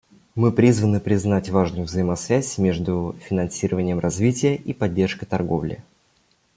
Мы призваны признать важную взаимосвязь между финансированием развития и поддержкой торговли.